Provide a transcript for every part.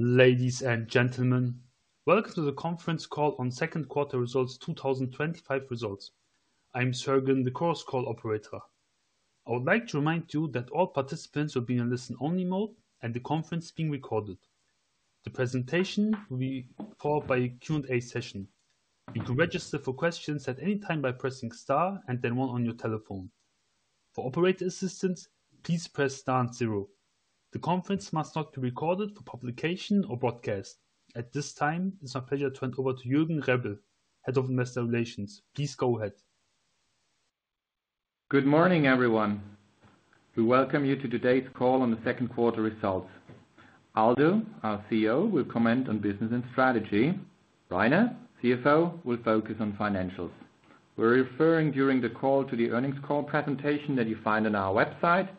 Ladies and gentlemen, welcome to the conference call on second quarter 2025 results. I'm Sergeant, the call operator. I would like to remind you that all participants are in listen-only mode and the conference is being recorded. The presentation will be followed by a Q&A session. You can register for questions at any time by pressing star and then one on your telephone. For operator assistance, please press star and zero. The conference must not be recorded for publication or broadcast. At this time, it's my pleasure to hand over to Jürgen Rebel, Head of Investor Relations. Please go ahead. Good morning, everyone. We welcome you to today's call on the second quarter results. Aldo, our CEO, will comment on business and strategy. Rainer, CFO, will focus on financials. We're referring during the call to the earnings call presentation that you find on our website,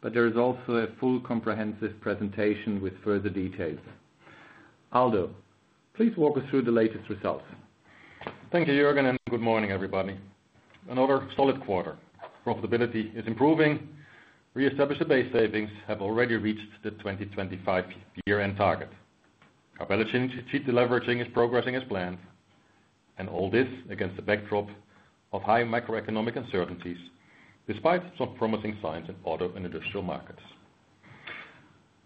but there is also a full comprehensive presentation with further details. Aldo, please walk us through the latest results. Thank you, Jürgen, and good morning, everybody. Another solid quarter. Profitability is improving. Reestablished base savings have already reached the 2025 year-end target. Our balance sheet deleveraging is progressing as planned. All this is against the backdrop of high macroeconomic uncertainties, despite some promising signs in auto and industrial markets.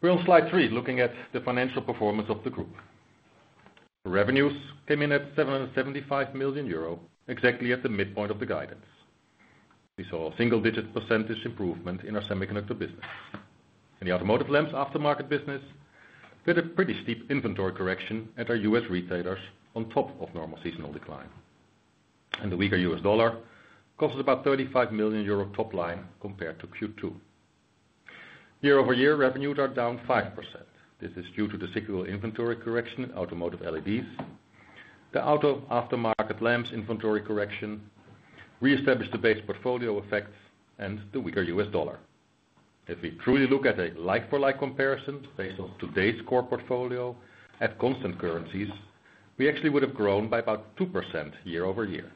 We're on slide three, looking at the financial performance of the group. Revenues came in at 775 million euro, exactly at the midpoint of the guidance. We saw a single-digit percentage improvement in our semiconductor business. In the automotive lamps aftermarket business, we had a pretty steep inventory correction at our U.S. retailers, on top of normal seasonal decline. The weaker U.S. dollar cost about 35 million euro top line compared to Q2. Year-over-year revenues are down 5%. This is due to the cyclical inventory correction in automotive LEDs, the auto aftermarket lamps inventory correction, reestablished the base portfolio effect, and the weaker U.S. dollar. If we truly look at a like-for-like comparison based on today's core portfolio at constant currencies, we actually would have grown by about 2% year-over-year.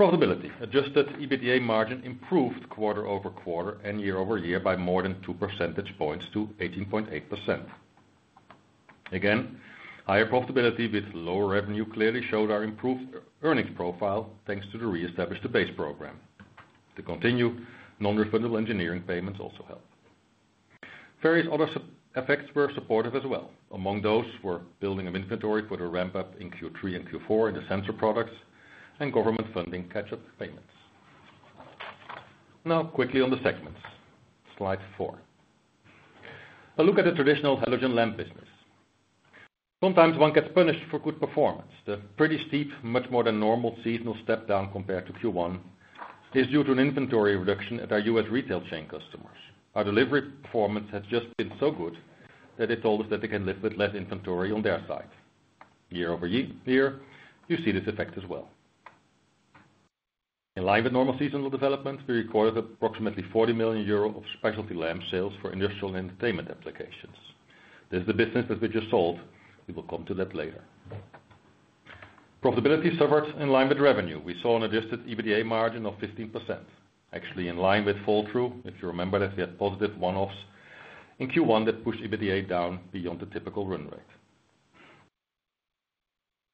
Profitability, adjusted EBITDA margin, improved quarter-over-quarter and year-over-year by more than two percentage points to 18.8%. Again, higher profitability with lower revenue clearly showed our improved earnings profile thanks to the reestablished debates program. To continue, non-refundable engineering payments also help. Various other effects were supportive as well. Among those were building of inventory for the ramp-up in Q3 and Q4 in the sensor products and government funding catch-up payments. Now, quickly on the segments. Slide four. A look at the traditional halogen lamp business. Sometimes one gets punished for good performance. The pretty steep, much more than normal seasonal step down compared to Q1 is due to an inventory reduction at our U.S. retail chain customers. Our delivery performance had just been so good that they told us that they can live with less inventory on their side. year-over-year, you see this effect as well. In line with normal seasonal development, we recorded approximately 40 million euro of specialty lamp sales for industrial and entertainment applications. This is the business that we just sold. We will come to that later. Profitability suffered in line with revenue. We saw an adjusted EBITDA margin of 15%. Actually in line with fall-through, if you remember, as we had positive one-offs in Q1 that pushed EBITDA down beyond the typical run rate.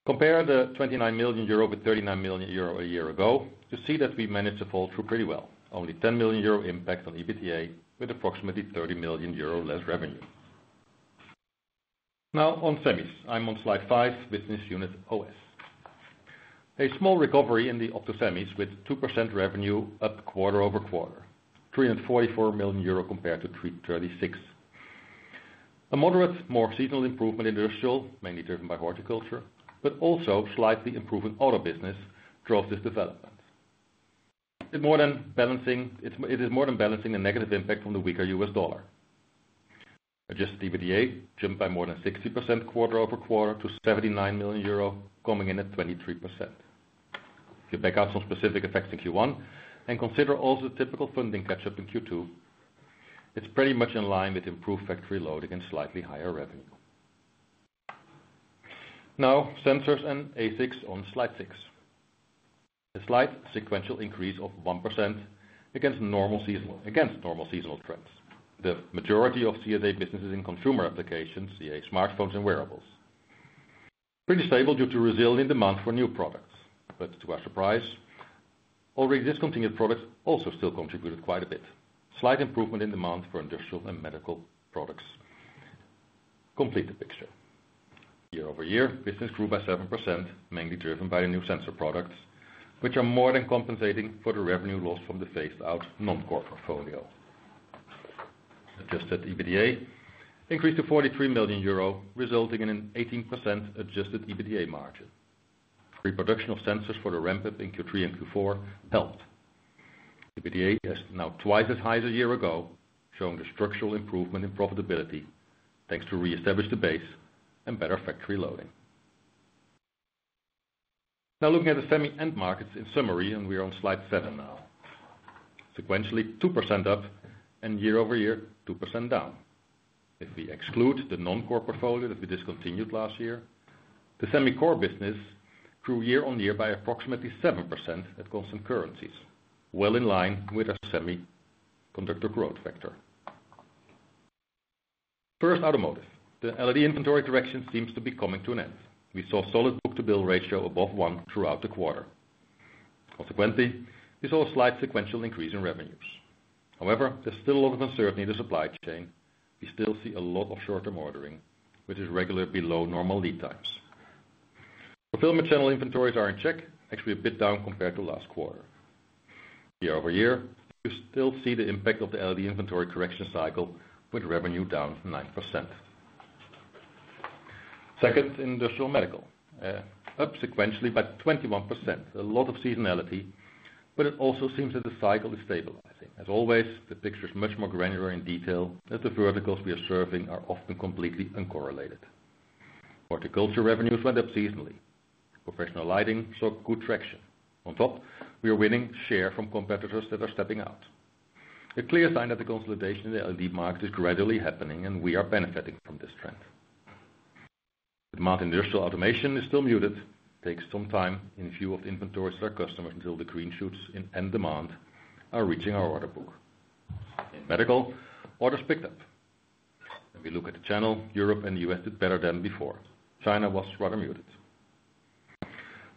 Compare the 29 million euro with 39 million euro a year ago, you see that we managed to fall through pretty well. Only 10 million euro impact on EBITDA with approximately 30 million euro less revenue. Now, on semis, I'm on slide five, business unit OS. A small recovery in the opto-semis with 2% revenue up quarter-over-quarter. 344 million euro compared to 336 million. A moderate, more seasonal improvement in industrial, mainly driven by horticulture, but also slightly improving auto business drove this development. It is more than balancing a negative impact from the weaker U.S. dollar. Adjusted EBITDA jumped by more than 60% quarter-over-quarter to 79 million euro, coming in at 23%. If you back out some specific effects in Q1 and consider also the typical funding catch-up in Q2, it's pretty much in line with improved factory loading and slightly higher revenue. Now, sensors and ASICs on slide six. A slight sequential increase of 1% against normal seasonal trends. The majority of CAD businesses in consumer applications, CAD smartphones and wearables. Pretty stable due to resilient demand for new products. To our surprise, already discontinued products also still contributed quite a bit. Slight improvement in demand for industrial and medical products complete the picture. year-over-year, business grew by 7%, mainly driven by the new sensor products, which are more than compensating for the revenue loss from the phased-out non-core portfolio. Adjusted EBITDA increased to EUR 43 million, resulting in an 18% adjusted EBITDA margin. Reproduction of sensors for the ramp-up in Q3 and Q4 helped. EBITDA is now twice as high as a year ago, showing a structural improvement in profitability thanks to reestablished debates and better factory loading. Now looking at the semi-end markets in summary, and we're on slide seven now. Sequentially 2% up and year-over-year, 2% down. If we exclude the non-core portfolio that we discontinued last year, the semi-core business grew year on year by approximately 7% at constant currencies. In line with a semiconductor growth factor. First, automotive. The LED inventory correction seems to be coming to an end. We saw a solid book-to-bill ratio above one throughout the quarter. Consequently, we saw a slight sequential increase in revenues. However, there's still a lot of uncertainty in the supply chain. We still see a lot of short-term ordering, which is regularly below normal lead times. Fulfillment channel inventories are in check, actually a bit down compared to last quarter. year-over-year, you still see the impact of the LED inventory correction cycle with revenue down 9%. Second, industrial medical. Up sequentially by 21%. A lot of seasonality, but it also seems that the cycle is stabilizing. As always, the picture is much more granular in detail that the verticals we are serving are often completely uncorrelated. Horticulture revenues went up seasonally. Professional lighting saw good traction. On top, we are winning share from competitors that are stepping out. A clear sign that the consolidation in the LED market is gradually happening and we are benefiting from this trend. The market in industrial automation is still muted. It takes some time in view of the inventories of our customers until the green shoots in end demand are reaching our order book. In medical, orders picked up. When we look at the channel, Europe and the U.S. did better than before. China was rather muted.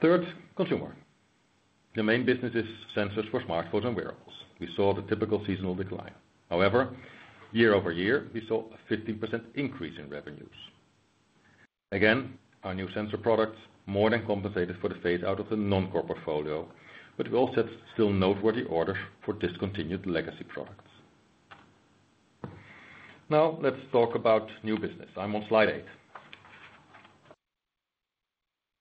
Third, consumer. The main business is sensors for smartphones and wearables. We saw the typical seasonal decline. However, year-over-year, we saw a 15% increase in revenue. Again, our new sensor products more than compensated for the fade out of the non-core portfolio, but we also still have noteworthy orders for discontinued legacy products. Now, let's talk about new business. I'm on slide eight.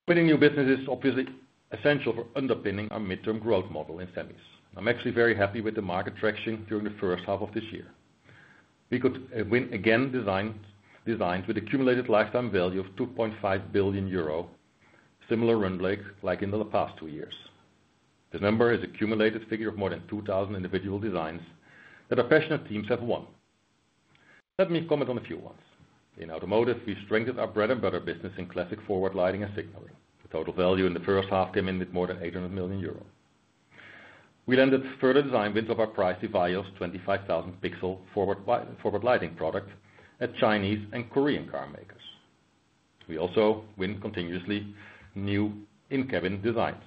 Winning new business is obviously essential for underpinning our midterm growth model in semis. I'm actually very happy with the market traction during the first half of this year. We got a win again, designs with accumulated lifetime value of 2.5 billion euro, similar run rate like in the past two years. The number is a cumulated figure of more than 2,000 individual designs that our passionate teams have won. Let me comment on a few ones. In automotive, we strengthened our bread and butter business in classic forward lighting and signaling. The total value in the first half came in with more than 800 million euros. We landed further design wins of our pricey EVIYOS 25,000 pixel forward lighting product at Chinese and Korean car makers. We also win continuously new in-cabin designs.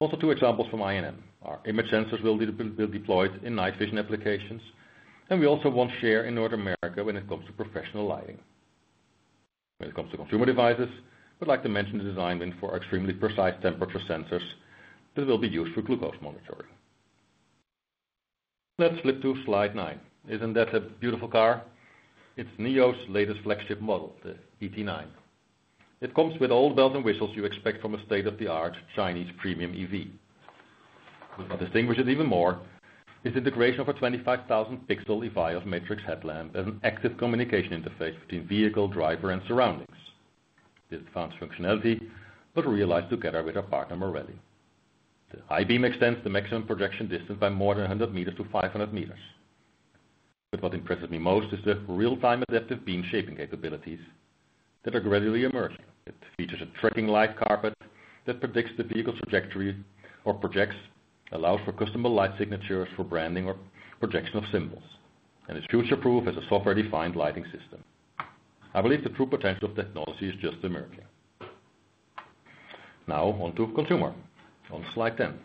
Also, two examples from INM. Our image sensors will be deployed in night vision applications, and we also won share in North America when it comes to professional lighting. When it comes to consumer devices, I'd like to mention the design wins for our extremely precise temperature sensors that will be used for glucose monitoring. Let's flip to slide nine. Isn't that a beautiful car? It's NIO's latest flagship model, the ET9. It comes with all the bells and whistles you expect from a state-of-the-art Chinese premium EV. We'll distinguish it even more with the integration of a 25,000 pixel EVIYOS matrix headlamp as an active communication interface between vehicle, driver, and surroundings. The advanced functionality was realized together with our partner Marelli. The high beam extends the maximum projection distance by more than 100 m-500 m. What impresses me most is the real-time adaptive beam shaping capabilities that are gradually emerging. It features a tracking light carpet that predicts the vehicle's trajectory or projects, allows for customizable light signatures for branding or projection of symbols, and is future-proof as a software-defined lighting system. I believe the true potential of technology is just emerging. Now, onto consumer. On slide ten.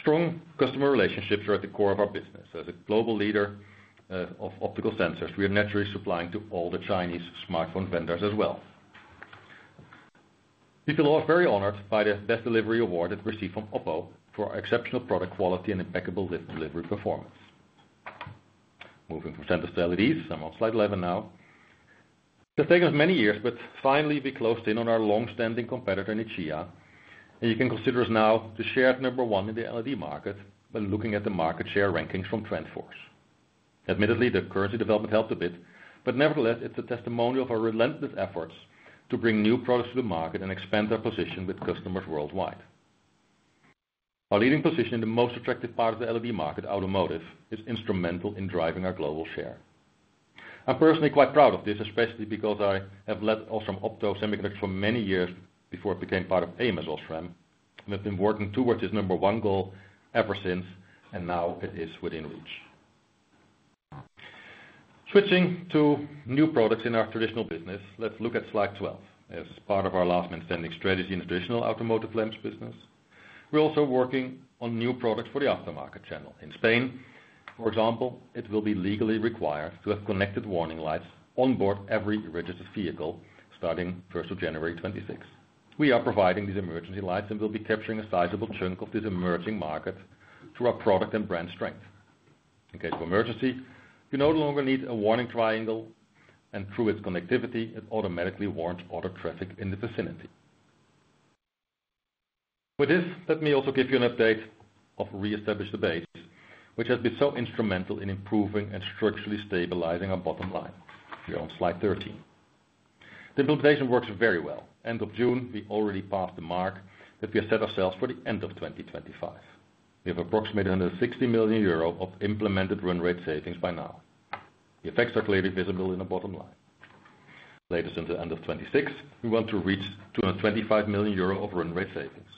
Strong customer relationships are at the core of our business. As a global leader of optical sensors, we are naturally supplying to all the Chinese smartphone vendors as well. We feel very honored by the Best Delivery Award that we received from Oppo for our exceptional product quality and impeccable delivery performance. Moving from sensors to LEDs, I'm on slide 11 now. It has taken us many years, but finally we closed in on our long-standing competitor Nichia, and you can consider us now the shared number one in the LED market when looking at the market share rankings from TrendForce. Admittedly, the currency development helped a bit, but nevertheless, it's a testimonial of our relentless efforts to bring new products to the market and expand our position with customers worldwide. Our leading position in the most attractive part of the LED market, automotive, is instrumental in driving our global share. I'm personally quite proud of this, especially because I have led OSRAM Opto Semiconductors for many years before it became part of ams OSRAM. We've been working towards this number one goal ever since, and now it is within reach. Switching to new products in our traditional business, let's look at slide 12. As part of our last-million spending strategy in the traditional automotive lamps business, we're also working on new products for the aftermarket channel. In Spain, for example, it will be legally required to have connected warning lights on board every registered vehicle starting January 1, 2026. We are providing these emergency lights and will be capturing a sizable chunk of this emerging market through our product and brand strength. In case of emergency, you no longer need a warning triangle, and through its connectivity, it automatically warns auto traffic in the vicinity. With this, let me also give you an update of reestablished debates, which has been so instrumental in improving and structurally stabilizing our bottom line. Here on slide 13, the implementation works very well. End of June, we already passed the mark that we have set ourselves for the end of 2025. We have approximately 160 million euro of implemented run-rate savings by now. The effects are clearly visible in the bottom line. Latest until the end of 2026, we want to reach 225 million euro of run-rate savings.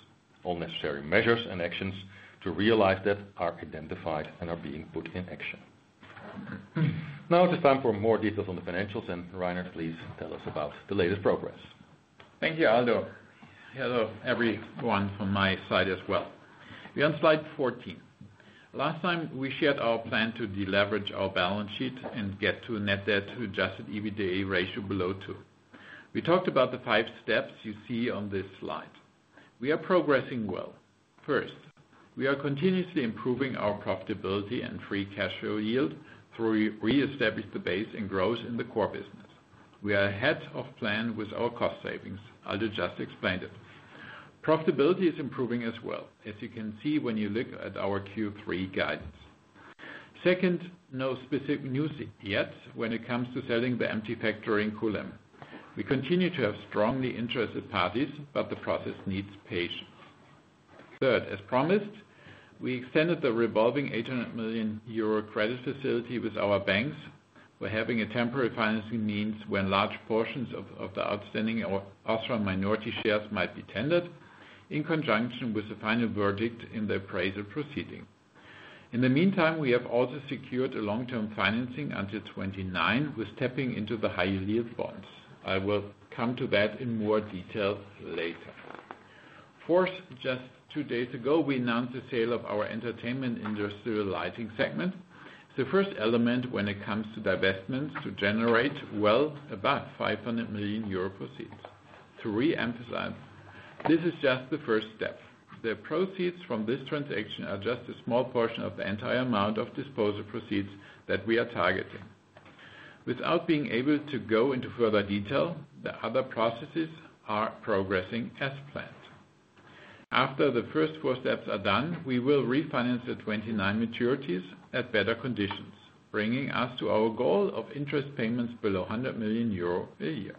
All necessary measures and actions to realize that are identified and are being put in action. Now it's time for more details on the financials, and Rainer, please tell us about the latest progress. Thank you, Aldo. Hello, everyone from my side as well. We're on slide 14. Last time, we shared our plan to deleverage our balance sheet and get to a net debt to adjusted EBITDA ratio below 2. We talked about the five steps you see on this slide. We are progressing well. First, we are continuously improving our profitability and free cash flow yield through reestablished debates and growth in the core business. We are ahead of plan with our cost savings. Aldo just explained it. Profitability is improving as well, as you can see when you look at our Q3 guidance. Second, no specific news yet when it comes to selling the empty factory in Kulm. We continue to have strongly interested parties, but the process needs patience. Third, as promised, we extended the revolving 800 million euro credit facility with our banks. We're having a temporary financing means when large portions of the outstanding OSRAM minority shares might be tendered in conjunction with the final verdict in the appraisal proceeding. In the meantime, we have also secured a long-term financing until 2029, with tapping into the high-yield bonds. I will come to that in more detail later. Fourth, just two days ago, we announced the sale of our entertainment industrial lighting segment. The first element when it comes to divestments to generate well above 500 million euro proceeds. Three, emphasized, this is just the first step. The proceeds from this transaction are just a small portion of the entire amount of disposal proceeds that we are targeting. Without being able to go into further detail, the other processes are progressing as planned. After the first four steps are done, we will refinance the 2029 maturities at better conditions, bringing us to our goal of interest payments below 100 million euro a year.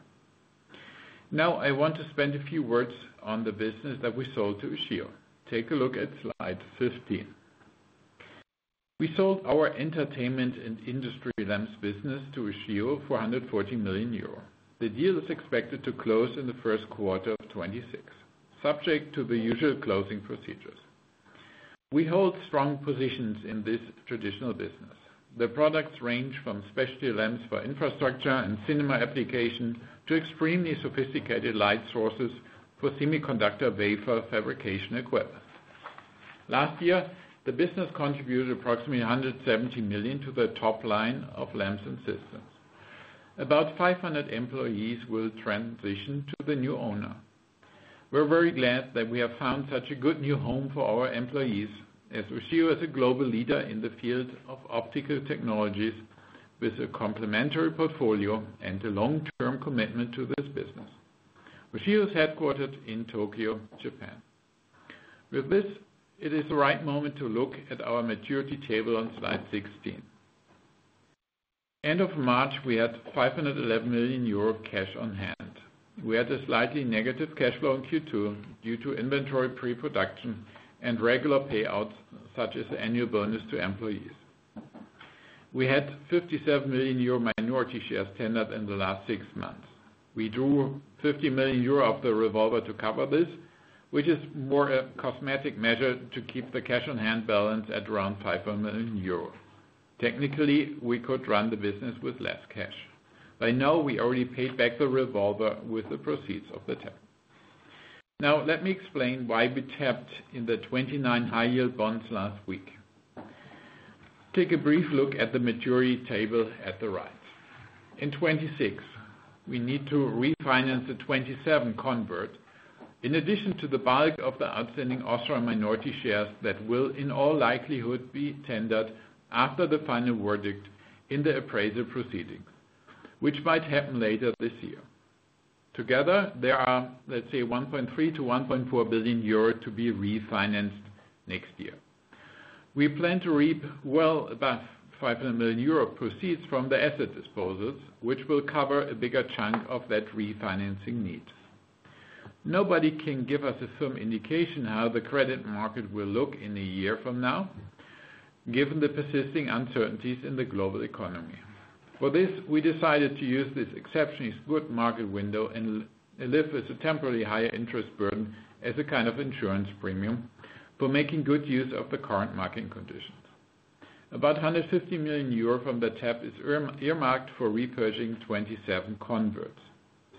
Now, I want to spend a few words on the business that we sold to Ushio. Take a look at slide 15. We sold our entertainment and industry lamps business to Ushio for 140 million euro. The deal is expected to close in the first quarter of 2026, subject to the usual closing procedures. We hold strong positions in this traditional business. The products range from specialty lamps for infrastructure and cinema application to extremely sophisticated light sources for semiconductor vapor fabrication equipment. Last year, the business contributed approximately 170 million to the top line of lamps and systems. About 500 employees will transition to the new owner. We're very glad that we have found such a good new home for our employees, as Ushio is a global leader in the field of optical technologies with a complementary portfolio and a long-term commitment to this business. Ushio is headquartered in Tokyo, Japan. With this, it is the right moment to look at our maturity table on slide 16. End of March, we had 511 million euro cash on hand. We had a slightly negative cash flow in Q2 due to inventory pre-production and regular payouts, such as annual bonus to employees. We had 57 million euro minority shares tendered in the last six months. We drew 50 million euro of the revolver to cover this, which is more a cosmetic measure to keep the cash on hand balance at around 500 million euro. Technically, we could run the business with less cash. By now, we already paid back the revolver with the proceeds of the tapping. Now, let me explain why we tapped in the 2029 high-yield bonds last week. Take a brief look at the maturity table at the right. In 2026, we need to refinance the 2027 convert, in addition to the bulk of the outstanding OSRAM minority shares that will, in all likelihood, be tendered after the final verdict in the appraisal proceeding, which might happen later this year. Together, there are, let's say, 1.3-1.4 billion euros to be refinanced next year. We plan to reap well above 500 million euro proceeds from the asset disposals, which will cover a bigger chunk of that refinancing need. Nobody can give us a firm indication how the credit market will look in a year from now, given the persisting uncertainties in the global economy. For this, we decided to use this exceptionally good market window and live with a temporary higher interest burden as a kind of insurance premium for making good use of the current market conditions. About 150 million euro from the tap is earmarked for repurchasing 2027 converts,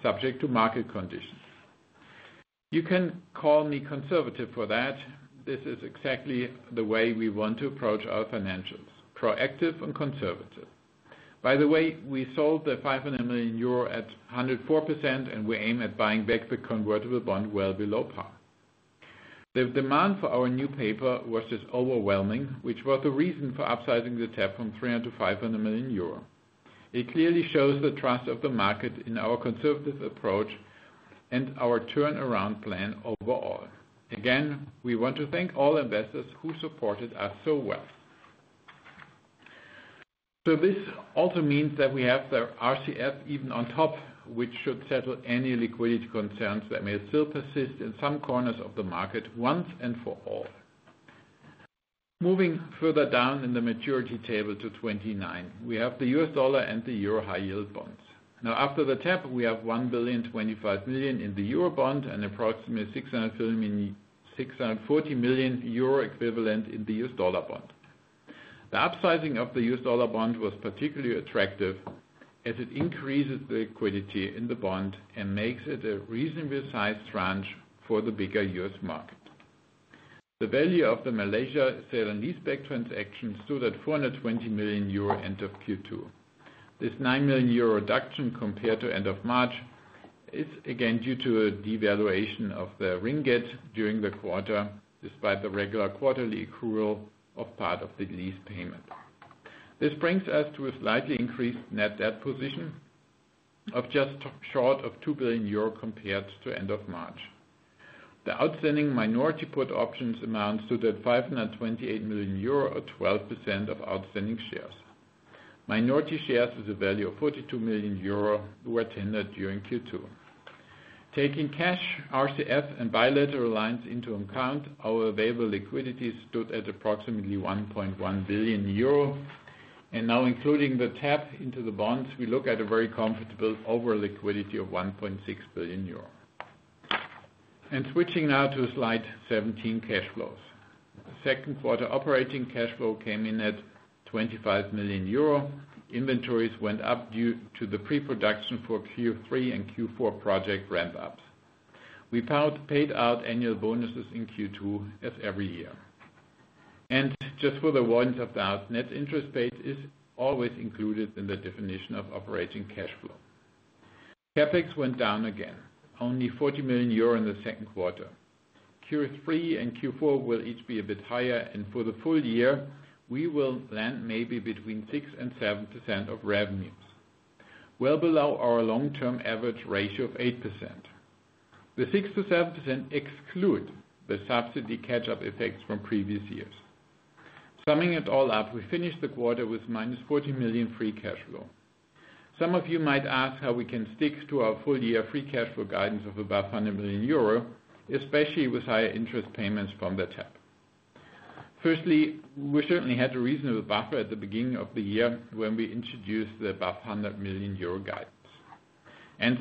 subject to market conditions. You can call me conservative for that. This is exactly the way we want to approach our financials: proactive and conservative. By the way, we sold the 500 million euro at 104%, and we aim at buying back the convertible bond well below par. The demand for our new paper was just overwhelming, which was the reason for upsizing the tap from 300-500 million euro. It clearly shows the trust of the market in our conservative approach and our turnaround plan overall. Again, we want to thank all investors who supported us so well. This also means that we have the RCF even on top, which should settle any liquidity concerns that may still persist in some corners of the market once and for all. Moving further down in the maturity table to 2029, we have the U.S. dollar and the euro high-yield bonds. Now, after the tap, we have 1.025 billion in the euro bond and approximately 640 million euro equivalent in the U.S. dollar bond. The upsizing of the U.S. dollar bond was particularly attractive, as it increases the liquidity in the bond and makes it a reasonably sized tranche for the bigger U.S. market. The value of the Malaysia sale and lease-back transaction stood at 420 million euro at the end of Q2. This 9 million euro reduction compared to the end of March is again due to a devaluation of the ringgit during the quarter, despite the regular quarterly accrual of part of the lease payment. This brings us to a slightly increased net debt position of just short of 2 billion euro compared to the end of March. The outstanding minority put options amount stood at 528 million euro or 12% of outstanding shares. Minority shares with a value of 42 million euro were tendered during Q2. Taking cash, RCF, and bilateral lines into account, our available liquidity stood at approximately 1.1 billion euro, and now including the tap into the bonds, we look at a very comfortable overliquidity of 1.6 billion euro. Switching now to slide 17 cash flows. The second quarter operating cash flow came in at 25 million euro. Inventories went up due to the pre-production for Q3 and Q4 project ramp-ups. We paid out annual bonuses in Q2 as every year. Just for the warnings of doubt, net interest paid is always included in the definition of operating cash flow. CapEx went down again, only 40 million euro in the second quarter. Q3 and Q4 will each be a bit higher, and for the full year, we will land maybe between 6% and 7% of revenues, well below our long-term average ratio of 8%. The 6%-7% exclude the subsidy catch-up effects from previous years. Summing it all up, we finished the quarter with -40 million free cash flow. Some of you might ask how we can stick to our full year free cash flow guidance of above 100 million euro, especially with higher interest payments from the tap. Firstly, we certainly had a reasonable buffer at the beginning of the year when we introduced the above 100 million euro guidance.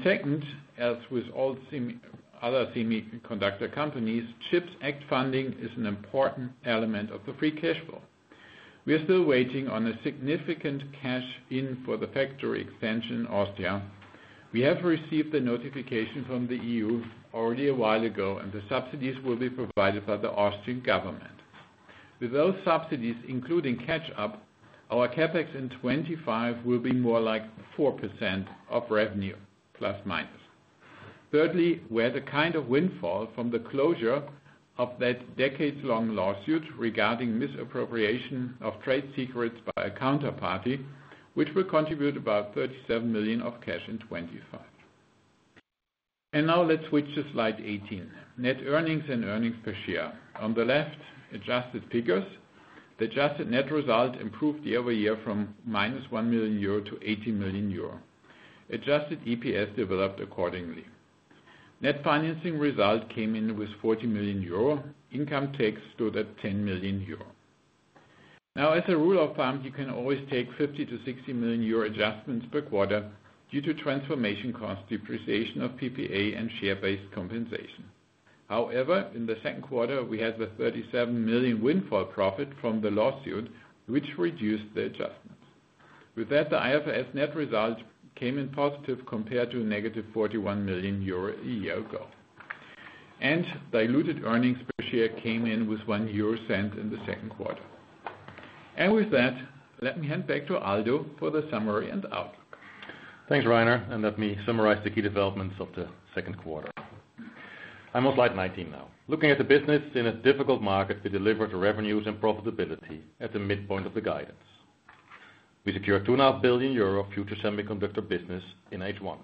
Second, as with all other semiconductor companies, CHIPS Act funding is an important element of the free cash flow. We're still waiting on a significant cash-in for the factory expansion in Austria. We have received the notification from the EU already a while ago, and the subsidies will be provided by the Austrian government. With those subsidies, including catch-up, our CapEx in 2025 will be more like 4% of revenue, plus minus. Thirdly, we had a kind of windfall from the closure of that decades-long lawsuit regarding misappropriation of trade secrets by a counterparty, which will contribute about 37 million of cash in 2025. Now let's switch to slide 18. Net earnings and earnings per share. On the left, adjusted figures. The adjusted net result improved year-over-year from -1 million-18 million euro. Adjusted EPS developed accordingly. Net financing result came in with 40 million euro. Income tax stood at 10 million euro. As a rule of thumb, you can always take 50 million-60 million euro adjustments per quarter due to transformation costs, depreciation of PPA, and share-based compensation. However, in the second quarter, we had the 37 million windfall profit from the lawsuit, which reduced the adjustments. With that, the IFRS net result came in positive compared to -41 million euro a year ago. Diluted earnings per share came in with 0.01 in the second quarter. With that, let me hand back to Aldo for the summary and outlook. Thanks, Rainer, and let me summarize the key developments of the second quarter. I'm on slide 19 now. Looking at the business in a difficult market, we delivered revenues and profitability at the midpoint of the guidance. We secured 2.5 billion euro future semiconductor business in H1.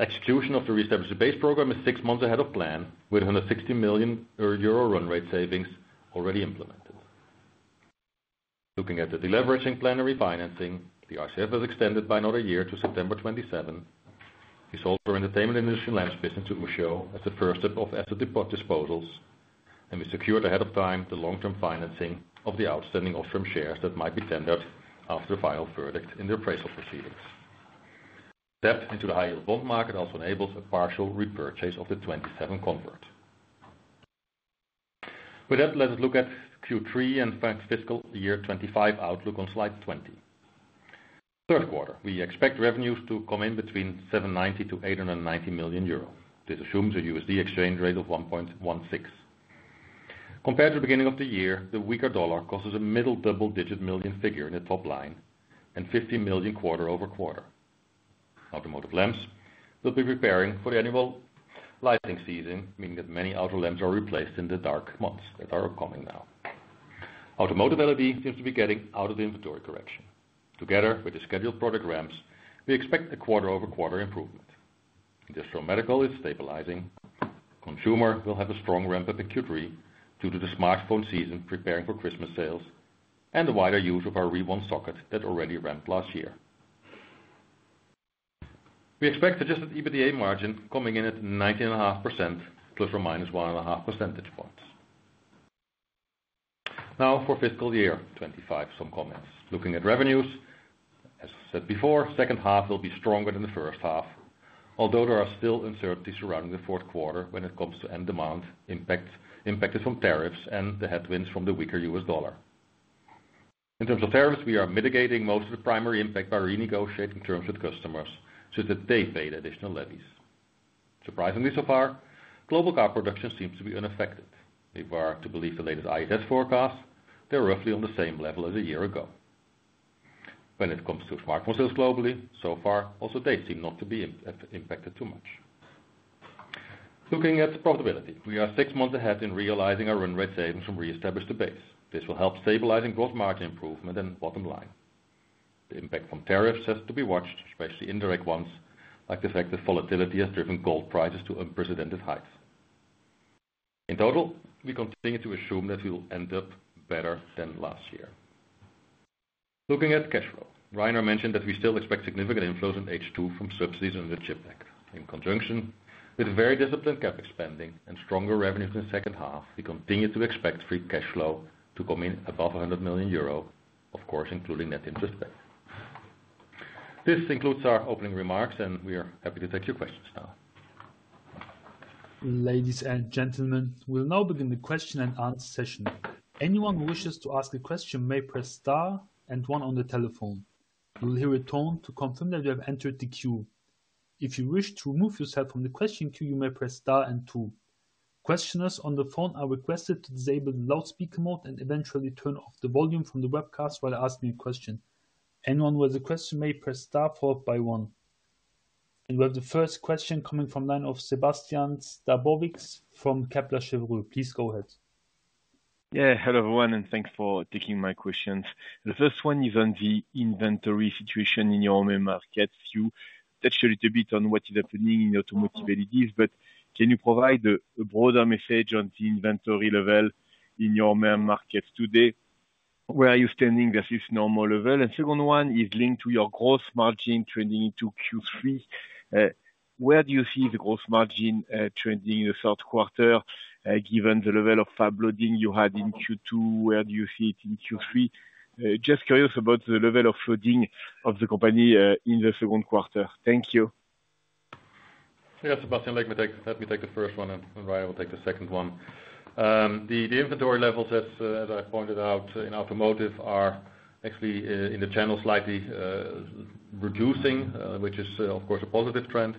Execution of the reestablished debase program is six months ahead of plan, with 160 million euro run-rate savings already implemented. Looking at the deleveraging plan and refinancing, the revolving credit facility has extended by another year to September 2027. We sold our entertainment and industrial lamps business to Ushio as the first step of asset disposals, and we secured ahead of time the long-term financing of the outstanding OSRAM shares that might be tendered after the final verdict in the appraisal proceedings. Depth into the high-yield bond market also enables a partial repurchase of the 2027 convert. With that, let us look at Q3 and fiscal year 2025 outlook on slide 20. Third quarter, we expect revenues to come in between 790 million-890 million euro. This assumes a U.S. dollar exchange rate of $1.16. Compared to the beginning of the year, the weaker dollar causes a middle double-digit million figure in the top line and 15 million quarter-over-quarter. Automotive lamps will be preparing for the annual lighting season, meaning that many auto lamps are replaced in the dark months that are coming now. Automotive LED seems to be getting out of the inventory correction. Together with the scheduled product ramps, we expect a quarter-over-quarter improvement. Industrial medical is stabilizing. Consumer will have a strong ramp-up in Q3 due to the smartphone season preparing for Christmas sales and the wider use of our rebond socket that already ramped last year. We expect adjusted EBITDA margin coming in at 19.5%, ±1.5% points. Now for fiscal year 2025, some comments. Looking at revenues, as said before, the second half will be stronger than the first half, although there are still uncertainties surrounding the fourth quarter when it comes to end demand, impacts from tariffs, and the headwinds from the weaker U.S. dollar. In terms of tariffs, we are mitigating most of the primary impact by renegotiating terms with customers so that they pay additional levies. Surprisingly, so far, global car production seems to be unaffected. We were to believe the latest IES forecast. They're roughly on the same level as a year ago. When it comes to smartphone sales globally, so far, also they seem not to be impacted too much. Looking at profitability, we are six months ahead in realizing our run-rate savings from reestablished debates. This will help stabilizing gross margin improvement and bottom line. The impact from tariffs has to be watched, especially indirect ones, like the fact that volatility has driven gold prices to unprecedented heights. In total, we continue to assume that we'll end up better than last year. Looking at cash flow, Rainer mentioned that we still expect significant inflows in H2 from subsidies under the CHIPS Act. In conjunction with very disciplined CapEx spending and stronger revenues in the second half, we continue to expect free cash flow to come in above 100 million euro, of course, including net interest debt. This concludes our opening remarks, and we are happy to take your questions now. Ladies and gentlemen, we'll now begin the question and answer session. Anyone who wishes to ask a question may press star and one on the telephone. You will hear a tone to confirm that you have entered the queue. If you wish to remove yourself from the question queue, you may press star and two. Questioners on the phone are requested to disable the loudspeaker mode and eventually turn off the volume from the webcast while asking a question. Anyone who has a question may press star followed by one. We have the first question coming from the line of Sébastien Sztabowicz from Kepler Cheuvreux. Please go ahead. Hello everyone, and thanks for taking my questions. The first one is on the inventory situation in your main markets. You touched a little bit on what is happening in the automotive LEDs, but can you provide a broader message on the inventory level in your main markets today? Where are you standing versus normal level? The second one is linked to your gross margin trending into Q3. Where do you see the gross margin trending in the third quarter, given the level of flooding you had in Q2? Where do you see it in Q3? Just curious about the level of flooding of the company in the second quarter. Thank you. Yeah, Sébastien, let me take the first one, and Rainer will take the second one. The inventory levels, as I pointed out, in automotive are actually in the channel slightly reducing, which is, of course, a positive trend.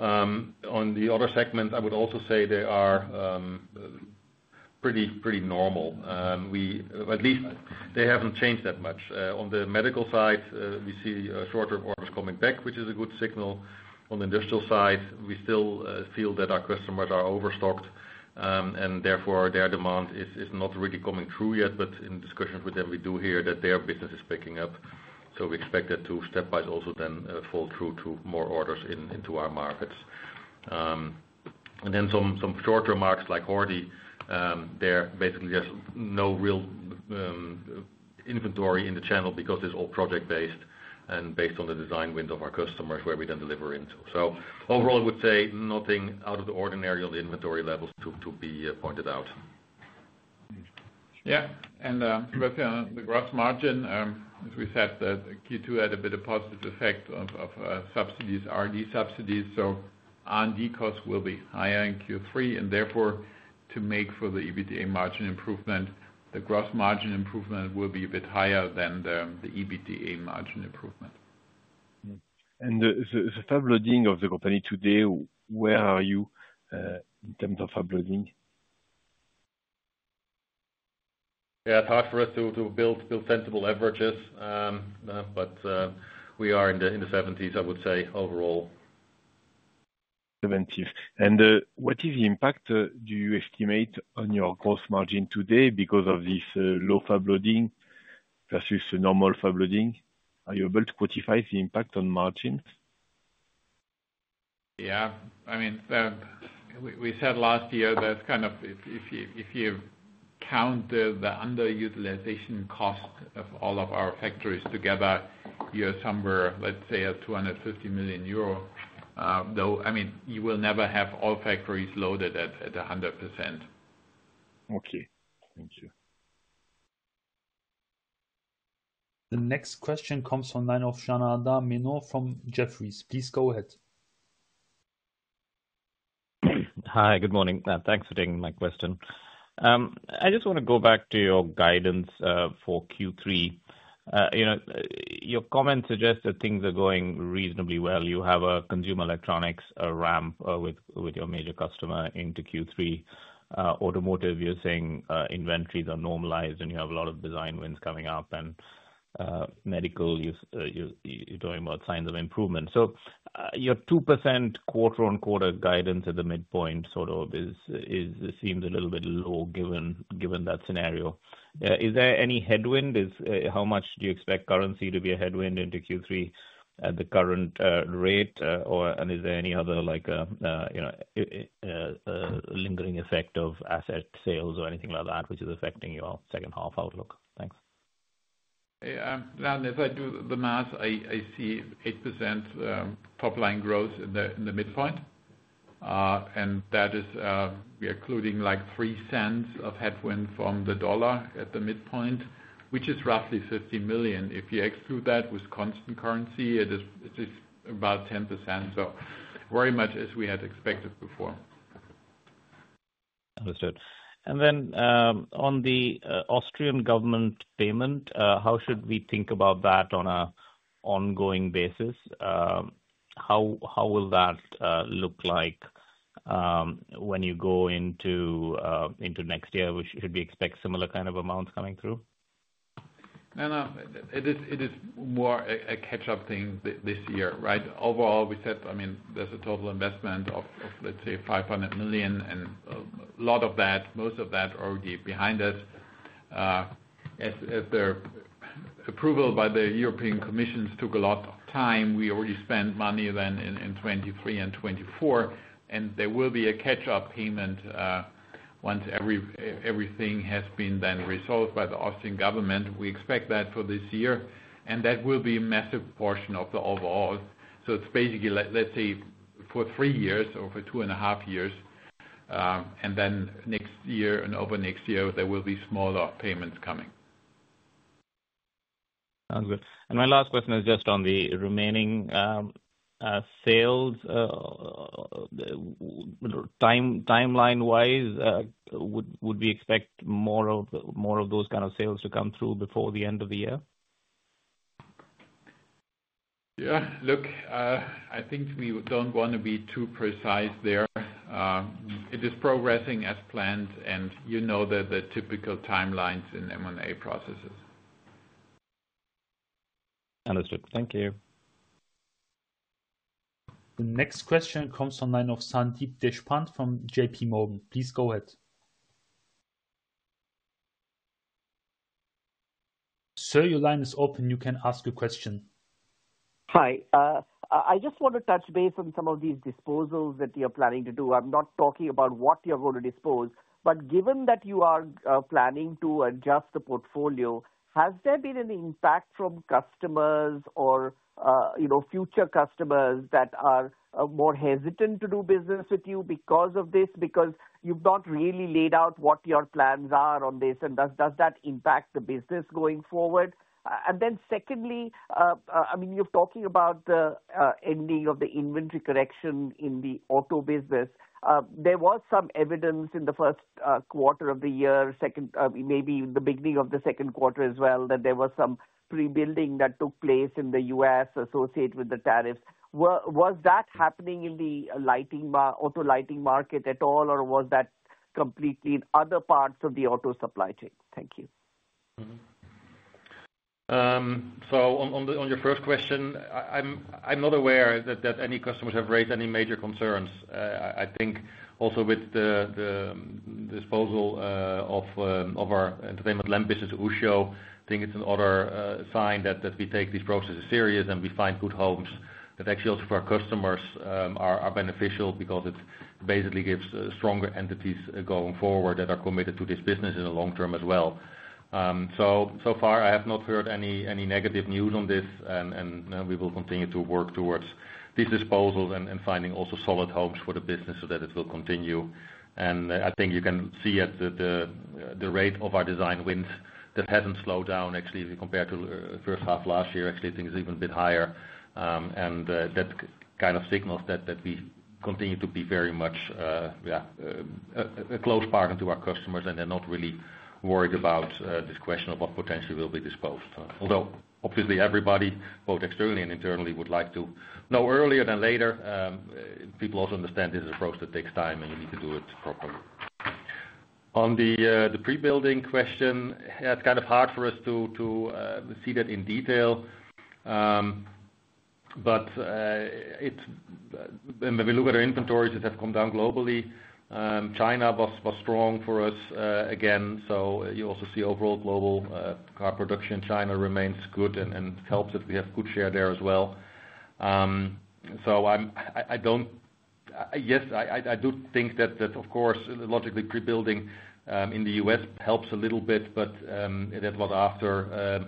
On the other segment, I would also say they are pretty, pretty normal. At least, they haven't changed that much. On the medical side, we see shorter orders coming back, which is a good signal. On the industrial side, we still feel that our customers are overstocked, and therefore their demand is not really coming through yet. In discussions with them, we do hear that their business is picking up. We expect that two step bytes also then fall through to more orders into our markets. Then some shorter marks like Hordey, there basically is no real inventory in the channel because it's all project-based and based on the design window of our customers where we then deliver into. Overall, I would say nothing out of the ordinary on the inventory levels to be pointed out. Yeah, the gross margin, as we said, Q2 had a bit of a positive effect of subsidies, R&D subsidies, so R&D costs will be higher in Q3, and therefore to make for the EBITDA margin improvement, the gross margin improvement will be a bit higher than the EBITDA margin improvement. Where are you, in terms of flooding of the company today? Yeah, I thought for us to build sensible leverages, but we are in the 70s, I would say, overall. 70s. What is the impact, do you estimate, on your gross margin today because of this low flooding versus the normal flooding? Are you able to quantify the impact on margins? Yeah, I mean, we said last year that kind of if you count the underutilization cost of all of our factories together, you're somewhere, let's say, at 250 million euro. I mean, you will never have all factories loaded at 100%. Okay, thank you. The next question comes from the line of Janardan Menon from Jefferies. Please go ahead. Hi, good morning. Thanks for taking my question. I just want to go back to your guidance for Q3. Your comments suggest that things are going reasonably well. You have a consumer electronics ramp with your major customer into Q3. Automotive, you're saying inventories are normalized and you have a lot of design wins coming up, and medical, you're talking about signs of improvement. Your 2% quarter-on-quarter guidance at the midpoint seems a little bit low given that scenario. Is there any headwind? How much do you expect currency to be a headwind into Q3 at the current rate? Is there any other lingering effect of asset sales or anything like that which is affecting your second half outlook? Thanks. Janardan, if I do the math, I see 8% top line growth in the midpoint. That is, we are including like $0.03 of headwind from the dollar at the midpoint, which is roughly $50 million. If you exclude that with constant currency, it is about 10%. Very much as we had expected before. Understood. On the Austrian government payment, how should we think about that on an ongoing basis? How will that look like when you go into next year? Should we expect similar kind of amounts coming through? No, it is more a catch-up thing this year, right? Overall, we said, I mean, there's a total investment of, let's say, $500 million, and a lot of that, most of that, is already behind us. As the approval by the European Commission took a lot of time, we already spent money then in 2023 and 2024, and there will be a catch-up payment, once everything has been then resolved by the Austrian government. We expect that for this year, and that will be a massive portion of the overall. It's basically, let's say, for three years or for two and a half years, and then next year and over next year, there will be smaller payments coming. Sounds good. My last question is just on the remaining sales, timeline-wise, would we expect more of those kind of sales to come through before the end of the year? Yeah, look, I think we don't want to be too precise there. It is progressing as planned, and you know the typical timelines in M&A processes. Understood. Thank you. The next question comes from the line of Sandeep Deshpande from JPMorgan. Please go ahead. Sir, your line is open. You can ask your question. Hi. I just want to touch base on some of these disposals that you're planning to do. I'm not talking about what you're going to dispose, but given that you are planning to adjust the portfolio, has there been an impact from customers or, you know, future customers that are more hesitant to do business with you because of this? Because you've not really laid out what your plans are on this, and does that impact the business going forward? Secondly, you're talking about the ending of the inventory correction in the auto business. There was some evidence in the first quarter of the year, maybe the beginning of the second quarter as well, that there was some pre-building that took place in the U.S. associated with the tariffs. Was that happening in the automotive lighting market at all, or was that completely in other parts of the auto supply chain? Thank you. On your first question, I'm not aware that any customers have raised any major concerns. I think also with the disposal of our entertainment lamp business to Ushio, it's another sign that we take these processes seriously and we find good homes that actually also for our customers are beneficial because it basically gives stronger entities going forward that are committed to this business in the long term as well. So far, I have not heard any negative news on this, and we will continue to work towards these disposals and finding also solid homes for the business so that it will continue. I think you can see that the rate of our design wins hasn't slowed down actually compared to the first half of last year. Actually, I think it's even a bit higher. That kind of signals that we continue to be very much, yeah, a close partner to our customers, and they're not really worried about this question of what potentially will be disposed. Although obviously everybody, both externally and internally, would like to know earlier than later, people also understand this is a process that takes time, and you need to do it properly. On the pre-building question, it's kind of hard for us to see that in detail. When we look at our inventory, it has come down globally. China was strong for us again. You also see overall global car production. China remains good, and it helps that we have good share there as well. I do think that, of course, logically pre-building in the U.S. helps a little bit, but that was after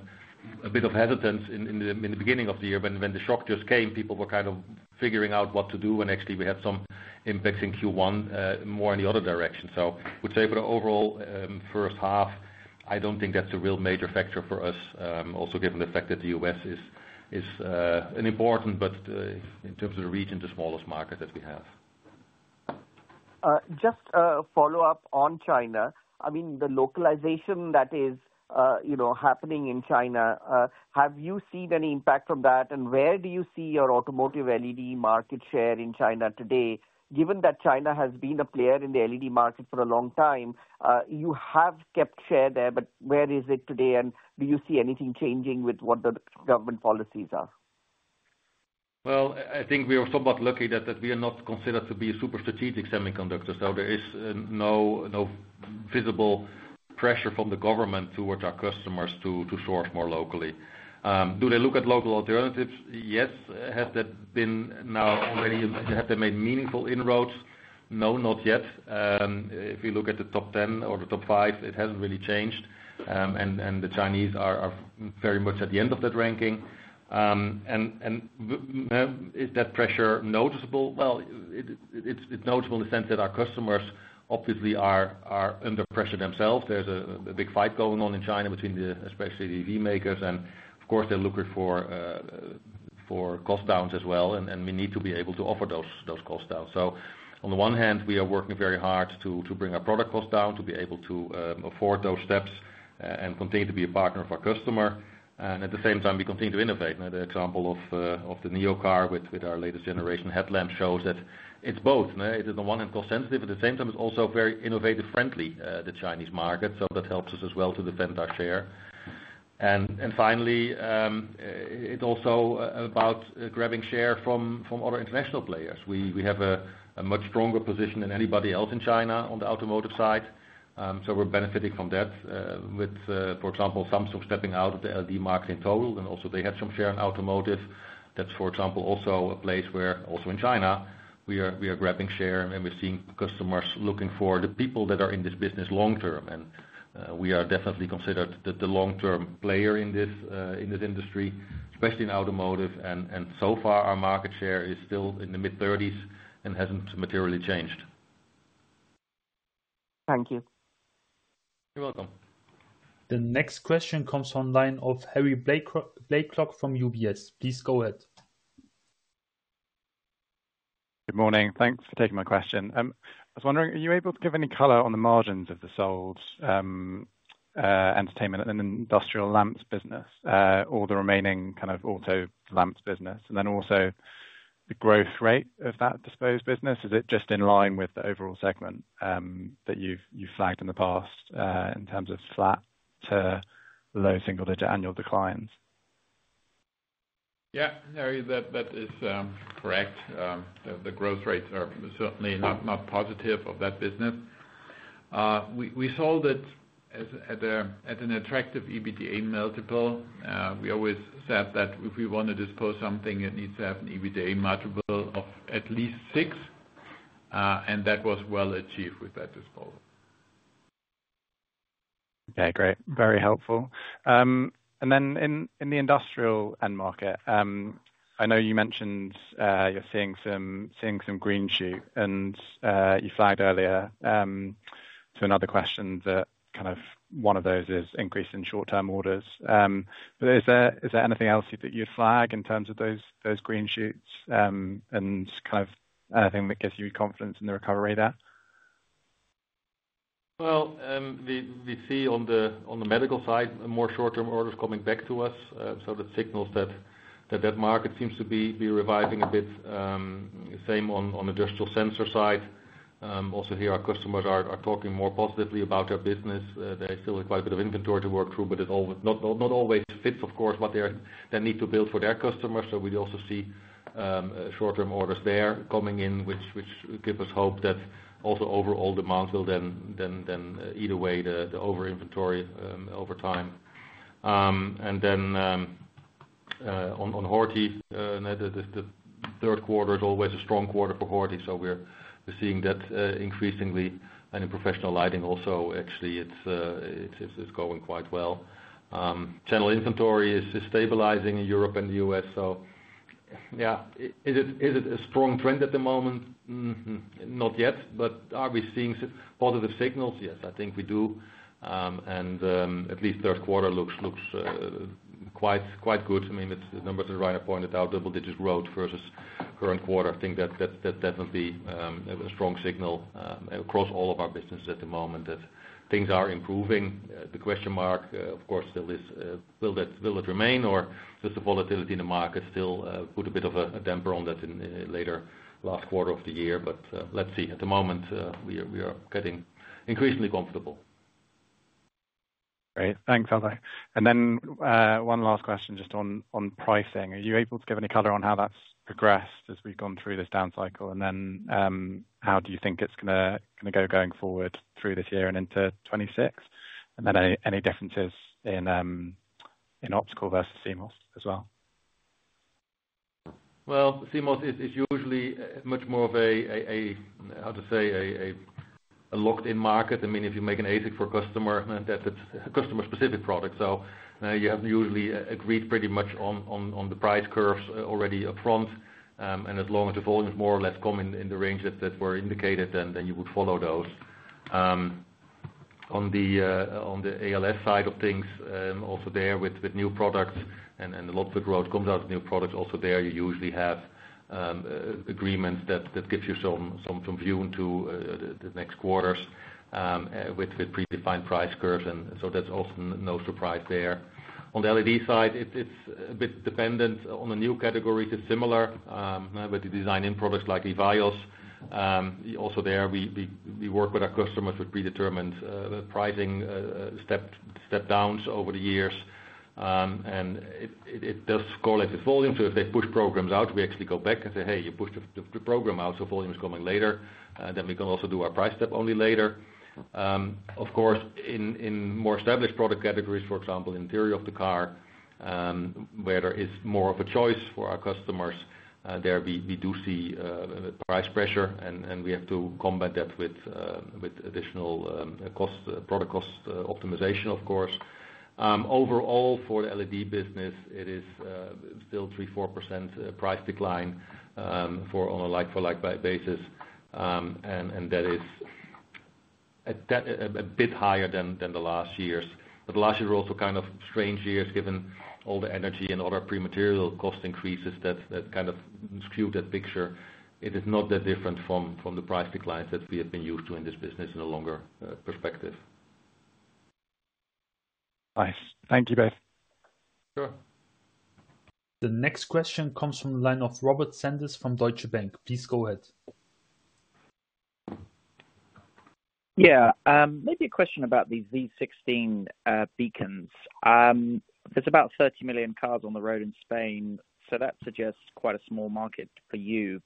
a bit of hesitance in the beginning of the year when the shock just came. People were kind of figuring out what to do, and actually we had some impacts in Q1 more in the other direction. For the overall first half, I don't think that's a real major factor for us, also given the fact that the U.S. is an important, but in terms of the region, the smallest market that we have. Just a follow-up on China. I mean, the localization that is, you know, happening in China, have you seen any impact from that, and where do you see your automotive LED market share in China today? Given that China has been a player in the LED market for a long time, you have kept share there, but where is it today, and do you see anything changing with what the government policies are? I think we are somewhat lucky that we are not considered to be a super strategic semiconductor. There is no visible pressure from the government towards our customers to source more locally. Do they look at local alternatives? Yes. Have they been now, or have they made meaningful inroads? No, not yet. If you look at the top 10 or the top 5, it hasn't really changed. The Chinese are very much at the end of that ranking. Is that pressure noticeable? It's noticeable in the sense that our customers obviously are under pressure themselves. There's a big fight going on in China, especially between the EV makers, and of course they're looking for cost downs as well, and we need to be able to offer those costs down. On the one hand, we are working very hard to bring our product cost down to be able to afford those steps and continue to be a partner of our customer. At the same time, we continue to innovate. The example of the NIO car with our latest generation headlamp shows that it's both. It is on the one hand cost sensitive, at the same time it's also very innovative friendly, the Chinese market. That helps us as well to defend our share. Finally, it's also about grabbing share from other international players. We have a much stronger position than anybody else in China on the automotive side. We're benefiting from that with, for example, Thomson stepping out of the LED market in total, and also they had some share in automotive. That's, for example, also a place where also in China we are grabbing share and we're seeing customers looking for the people that are in this business long term. We are definitely considered the long-term player in this industry, especially in automotive. So far, our market share is still in the mid-30s and hasn't materially changed. Thank you. You're welcome. The next question comes from the line of Harry Blaiklock from UBS. Please go ahead. Good morning. Thanks for taking my question. I was wondering, are you able to give any color on the margins of the sold entertainment and industrial lamps business or the remaining kind of auto lamps business? Also, the growth rate of that disposed business, is it just in line with the overall segment that you've flagged in the past in terms of flat to low single-digit annual declines? Yeah, Harry, that is correct. The growth rates are certainly not positive for that business. We sold it at an attractive EBITDA multiple. We always said that if we want to dispose of something, it needs to have an EBITDA multiple of at least 6x. That was well achieved with that disposal. Okay, great. Very helpful. In the industrial end market, I know you mentioned you're seeing some green shoots and you flagged earlier to another question that one of those is increase in short-term orders. Is there anything else that you'd flag in terms of those green shoots and anything that gives you confidence in the recovery there? We see on the medical side more short-term orders coming back to us. That signals that that market seems to be reviving a bit. Same on the digital sensor side. Also here, our customers are talking more positively about their business. They still have quite a bit of inventory to work through, but it not always fits, of course, what they need to build for their customers. We also see short-term orders there coming in, which gives us hope that also overall demands will then eat away the overinventory over time. On Hordey, the third quarter is always a strong quarter for Hordey. We're seeing that increasingly. In professional lighting also, actually, it's going quite well. Channel inventory is stabilizing in Europe and the U.S. Is it a strong trend at the moment? Not yet, but are we seeing positive signals? Yes, I think we do. At least the third quarter looks quite good. I mean, the numbers that Rainer pointed out, double-digit growth versus current quarter, I think that that would be a strong signal across all of our businesses at the moment that things are improving. The question mark, of course, still is, will it remain or does the volatility in the market still put a bit of a damper on that in the later last quarter of the year? Let's see. At the moment, we are getting increasingly comfortable. Great. Thanks, Aldo. One last question just on pricing. Are you able to give any color on how that's progressed as we've gone through this down cycle? How do you think it's going to go going forward through this year and into 2026? Any differences in optical versus CMOS as well? CMOS is usually much more of a, how to say, a locked-in market. If you make an ASIC for a customer, that's a customer-specific product. You have usually agreed pretty much on the price curves already upfront. As long as the volumes more or less come in the range that were indicated, you would follow those. On the ALS side of things, with new products and lots of growth coming out of new products, you usually have agreements that give you some view into the next quarters with predefined price curves. That's often no surprise there. On the LED side, it's a bit dependent on the new categories. It's similar with the design-in products like EVIYOS. We work with our customers with predetermined pricing step-downs over the years, and it does correlate with volume. If they push programs out, we actually go back and say, hey, you pushed the program out, so volume is coming later. We can also do our price step only later. Of course, in more established product categories, for example, the interior of the car, where there is more of a choice for our customers, we do see price pressure. We have to combat that with additional product cost optimization, of course. Overall, for the LED business, it is still 3-4% price decline on a like-for-like basis. That is a bit higher than last year's. Last year was also kind of a strange year given all the energy and other pre-material cost increases that kind of skewed that picture. It is not that different from the price declines that we have been used to in this business in a longer perspective. Nice. Thank you both. Sure. The next question comes from the line of Robert Sanders from Deutsche Bank. Please go ahead. Yeah, maybe a question about these V16 beacons. There's about 30 million cars on the road in Spain, so that suggests quite a small market for you.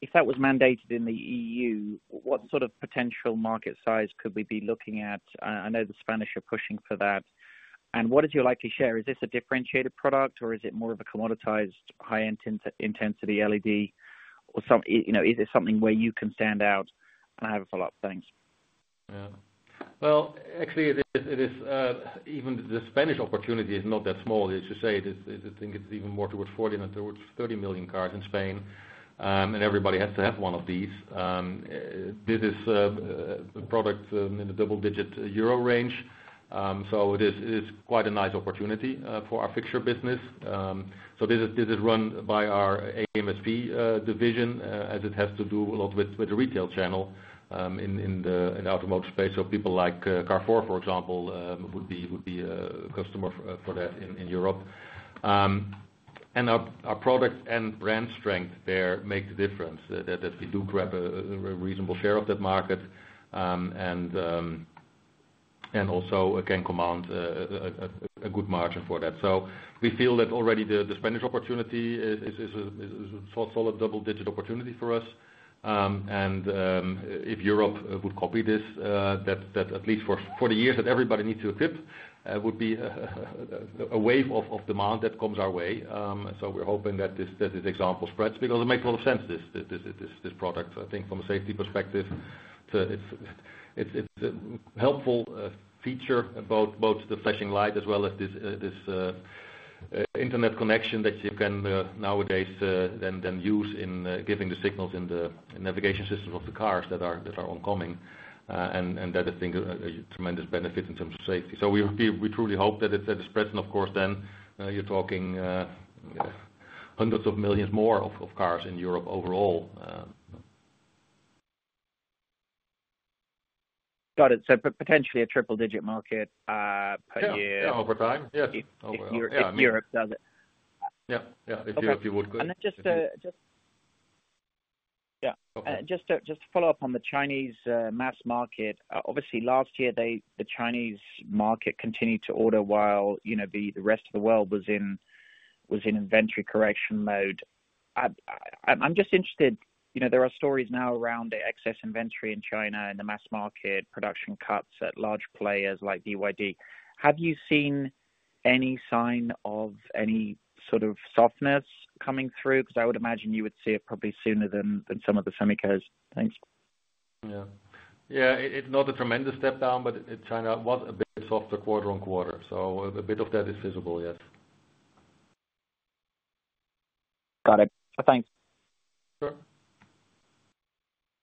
If that was mandated in the EU, what sort of potential market size could we be looking at? I know the Spanish are pushing for that. What is your likely share? Is this a differentiated product or is it more of a commoditized high-intensity LED? Is it something where you can stand out? I have a follow-up. Thanks. Actually, the Spanish opportunity is not that small, as you say. I think it's even more towards 40 million than towards 30 million cars in Spain. Everybody has to have one of these. This is a product in the double-digit euro range, so it is quite a nice opportunity for our picture business. This is run by our AMFP division, as it has to do a lot with the retail channel in the automotive space. People like Carrefour, for example, would be a customer for that in Europe. Our products and brand strength there make the difference, that we do grab a reasonable share of that market and also, again, command a good margin for that. We feel that already the Spanish opportunity is a solid double-digit opportunity for us. If Europe would copy this, that at least for the years that everybody needs to accept, it would be a wave of demand that comes our way. We're hoping that this example spreads because it makes a lot of sense, this product. I think from a safety perspective, it's a helpful feature, both the flashing light as well as this internet connection that you can nowadays then use in giving the signals in the navigation systems of the cars that are oncoming. That is a tremendous benefit in terms of safety. We truly hope that it spreads. Of course, then you're talking hundreds of millions more of cars in Europe overall. Got it. Potentially a triple-digit market per year. Over time, yes. If Europe does it. Yeah, if Europe you would. Just to follow up on the Chinese mass market, obviously last year the Chinese market continued to order while the rest of the world was in inventory correction mode. I'm just interested, you know there are stories now around the excess inventory in China and the mass market production cuts at large players like BYD. Have you seen any sign of any sort of softness coming through? I would imagine you would see it probably sooner than some of the semiconductors. Thanks. Yeah, yeah, it's not a tremendous step down, but China was a bit softer quarter on quarter. A bit of that is visible yet. Got it. Thanks. Sure.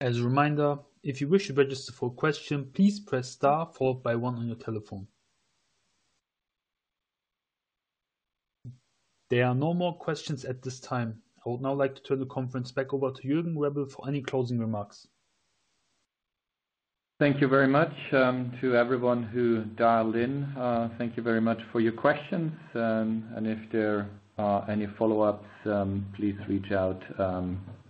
As a reminder, if you wish to register for a question, please press star followed by one on your telephone. There are no more questions at this time. I would now like to turn the conference back over to Jürgen Rebel for any closing remarks. Thank you very much to everyone who dialed in. Thank you very much for your questions. If there are any follow-ups, please reach out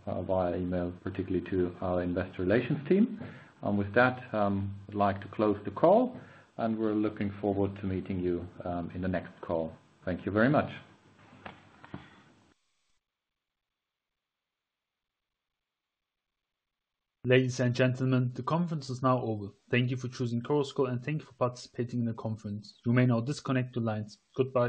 via email, particularly to our Investor Relations team. With that, I'd like to close the call. We're looking forward to meeting you in the next call. Thank you very much. Ladies and gentlemen, the conference is now over. Thank you for choosing Cowosco and thank you for participating in the conference. You may now disconnect your lines. Goodbye.